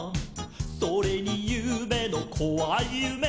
「それにゆうべのこわいゆめ」